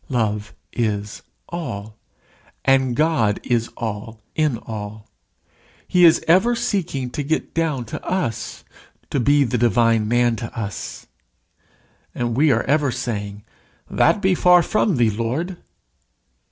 Love is all. And God is all in all. He is ever seeking to get down to us to be the divine man to us. And we are ever saying, "That be far from thee, Lord!"